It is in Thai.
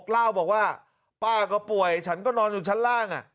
เล่าบอกว่าป้าก็ป่วยฉันก็นอนอยู่ชั้นล่าง